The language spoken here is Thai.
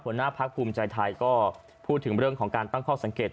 หัวหน้าพักภูมิใจไทยก็พูดถึงเรื่องของการตั้งข้อสังเกต